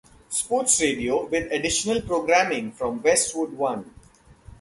Sports Radio, with additional programming from Westwood One.